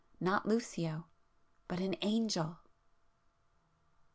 not Lucio, ... but an Angel!